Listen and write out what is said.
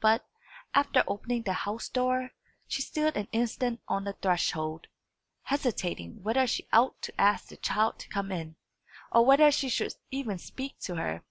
But, after opening the house door, she stood an instant on the threshold, hesitating whether she ought to ask the child to come in, or whether she should even speak to her.